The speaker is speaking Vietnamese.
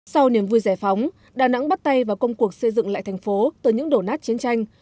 sau niềm vui giải phóng đà nẵng bắt tay vào công cuộc xây dựng lại thành phố từ những đổ nát chiến tranh